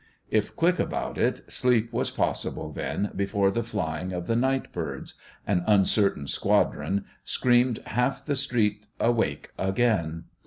If quick about it, sleep was possible then before the flying of the night birds an uncertain squadron screamed half the street awake again.